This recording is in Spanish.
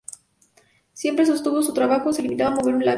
Siempre sostuvo que su trabajo se limitaba a mover un lápiz.